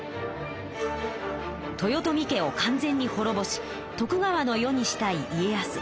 豊臣家を完全にほろぼし徳川の世にしたい家康。